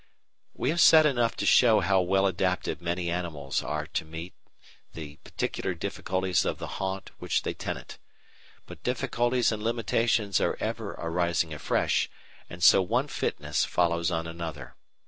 We have said enough to show how well adapted many animals are to meet the particular difficulties of the haunt which they tenant. But difficulties and limitations are ever arising afresh, and so one fitness follows on another.